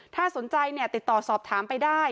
ถ้าสนใจติดต่อสอบถามไปได้